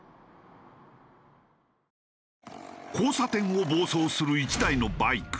交差点を暴走する１台のバイク。